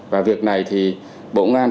và việc này thì bộ ngàn